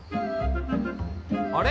あれ？